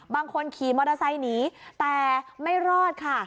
บางคนขี่มอเตอร์ไซส์นี่แต่ไม่รอดค่ะ